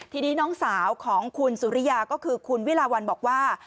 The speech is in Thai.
ทีนี้น้องสาวของคุณสุริยาก็คือคุณวิลาวันบอกว่า